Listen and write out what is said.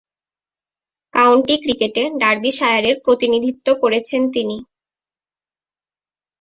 County ক্রিকেটে ডার্বিশায়ারের প্রতিনিধিত্ব করছেন তিনি।